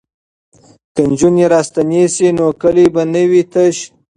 که نجونې راستنې شي نو کلی به نه وي تش.